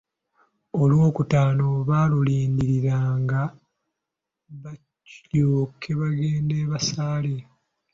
Olwokutaano baalulindiriranga balyoke bagende basaale.